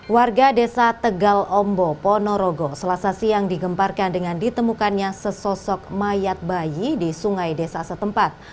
warga desa tegal ombo ponorogo selasa siang digemparkan dengan ditemukannya sesosok mayat bayi di sungai desa setempat